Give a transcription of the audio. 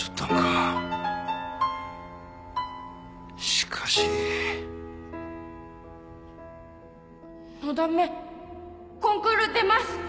しかしのだめコンクール出ます！